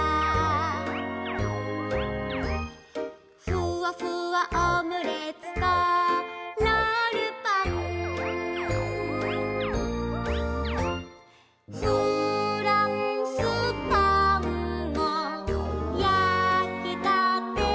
「ふわふわオムレツとロールパン」「フランスパンも焼きたてだ」